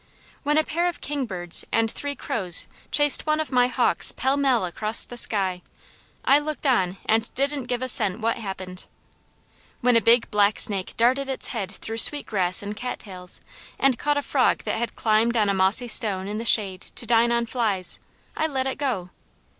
When a pair of kingbirds and three crows chased one of my hawks pell mell across the sky, I looked on and didn't give a cent what happened. When a big blacksnake darted its head through sweet grass and cattails, and caught a frog that had climbed on a mossy stone in the shade to dine on flies, I let it go.